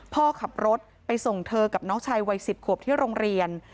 พ่อขับรถไปส่งเธอกับน้องชายวัย๑๐ขวบที่โรงเรียน